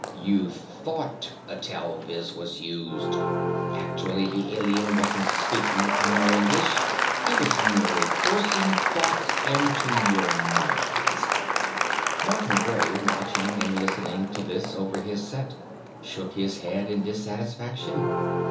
You thought the telviz was used; actually the alien wasn't speaking Amer English, he was simply forcing thoughts into your minds." Markham Gray, watching and listening to this over his set, shook his head in dissatisfaction.